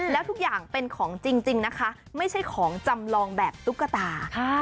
แล้วทุกอย่างเป็นของจริงนะคะไม่ใช่ของจำลองแบบตุ๊กตา